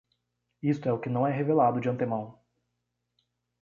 Isto é o que não é revelado de antemão.